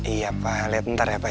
iya pak lihat ntar ya pak